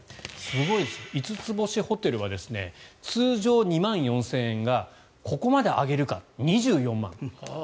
すごいです、５つ星ホテルは通常２万４０００円がここまで上げるか、２４万円。